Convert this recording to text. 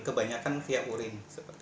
kebanyakan via urin